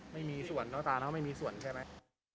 ไม่มีส่วนนะตาไม่มีส่วนใช่ไหม